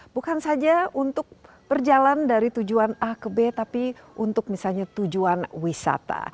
bukan saja untuk berjalan dari tujuan a ke b tapi untuk misalnya tujuan wisata